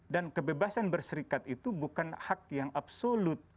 dan kebebasan berserikat itu bukan hak yang absolut